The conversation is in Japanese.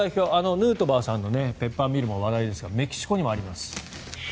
ヌートバーさんのペッパーミルも話題ですがメキシコにもあります。